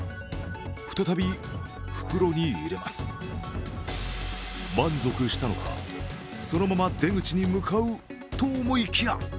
再び袋に入れます、満足したのかそのまま出口に向かうと思いきや。